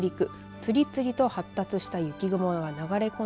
次々と発達した雪雲が流れ込み